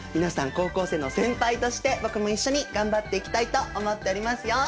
高校生の先輩として僕も一緒に頑張っていきたいと思っておりますよ。